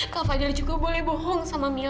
kak fadil juga boleh bohong sama mila